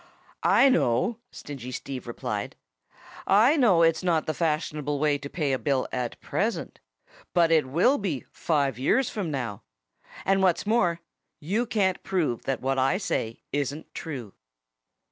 "I know," Stingy Steve replied. "I know it's not the fashionable way to pay a bill at present. But it will be five years from now. And what's more, you can't prove that what I say isn't true."